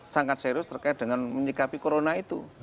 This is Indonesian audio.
sangat serius terkait dengan menyikapi corona itu